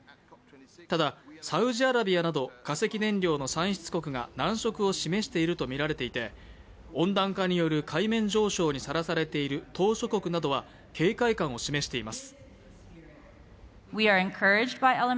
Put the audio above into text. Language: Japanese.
ただ、サウジアラビアなど化石燃料の産出国が難色を示しているとみられていて温暖化による海面上昇にさらされている島しょ国などは警戒感を示しています。